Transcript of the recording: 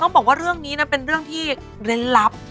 บอกว่าเรื่องนี้นะเป็นเรื่องที่เล่นลับ